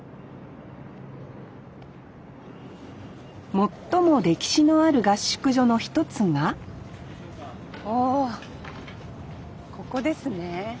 最も歴史のある合宿所の一つがあここですね。